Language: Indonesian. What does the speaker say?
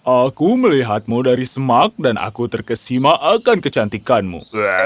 aku melihatmu dari semak dan aku terkesima akan kecantikanmu